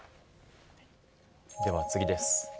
では次です。